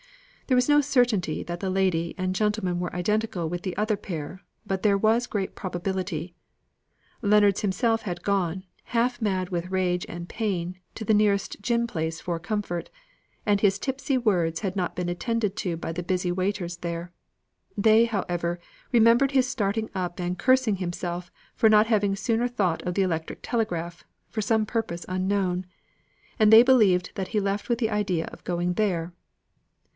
There was no certainty that the one lady and gentleman were identical with the other pair, but there was great probability. Leonards himself had gone, half mad with rage and pain, to the nearest gin palace for comfort; and his tipsy words had not been attended to by the busy waiters there; they, however, remembered his starting up and cursing himself for not having sooner thought of the electric telegraph, for some purpose unknown; and they believed that he left with the idea of going there.